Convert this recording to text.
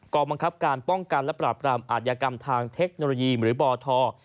บังคับการป้องกันและปราบรามอาธิกรรมทางเทคโนโลยีหรือบท